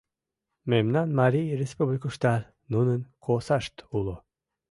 Мемнан Марий республикыштат нунын косашт уло.